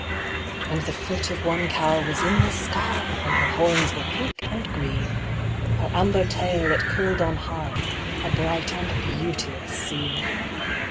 And the foot of one cow was in the sky, And her horns were pink and green; Her amber tail it curled on high A bright and beauteous scene.